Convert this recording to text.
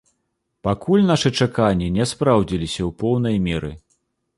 Пакуль нашы чаканні не спраўдзіліся ў поўнай меры.